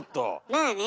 まあね。